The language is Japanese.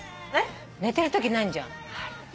寝てるときなんじゃん。